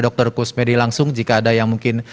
dr kusmedi langsung jika ada yang mungkin